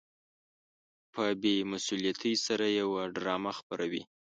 په بې مسؤليتۍ سره يوه ډرامه خپروي.